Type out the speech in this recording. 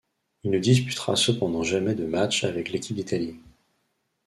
Il ne disputera cependant jamais de matchs avec l'équipe d'Italie.